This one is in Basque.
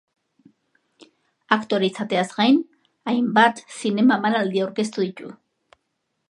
Aktore izateaz gain, hainbat zinema-emanaldi aurkeztu ditu.